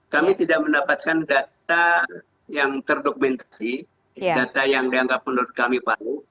kami tidak mendapatkan data yang terdokumentasi data yang dianggap menurut kami baru